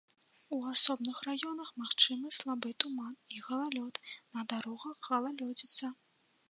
У асобных раёнах магчымы слабы туман і галалёд, на дарогах галалёдзіца.